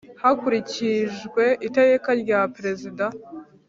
Hakurikijwe Iteka rya Perezida